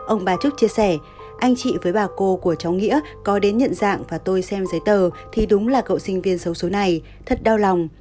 ông ba trúc chia sẻ anh chị với bà cô của cháu nghĩa có đến nhận dạng và tôi xem giấy tờ thì đúng là cậu sinh viên xấu xấu này thật đau lòng